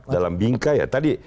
dalam bingkai ya tadi